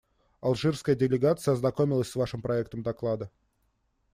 Алжирская делегация ознакомилась с Вашим проектом доклада.